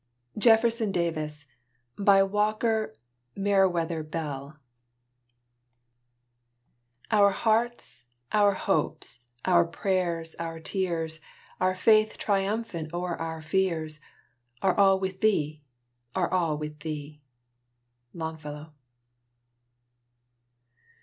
JEFFERSON DAVIS "Our hearts, our hopes, our prayers, our tears, Our faith triumphant o'er our fears, Are all with thee, are all with thee." LONGFELLOW.